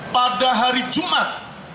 pada hari jumat